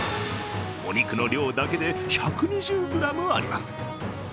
お肉の量だけで１２０ｇあります。